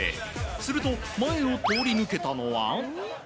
すると、前を通り抜けたのは。